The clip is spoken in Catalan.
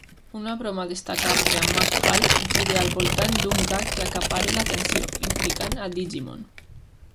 Una broma destacable amb Mac Hall gira al voltant d'un gag que acapara l'atenció, implicant a "Digimon".